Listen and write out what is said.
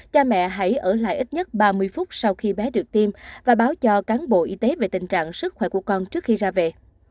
cha mẹ hãy ở lại ít nhất ba mươi phút sau khi bé được tiêm và báo cho cán bộ y tế về tình trạng sức khỏe của con trước khi ra về